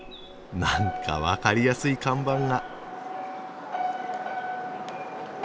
何か分かりやすい看板が。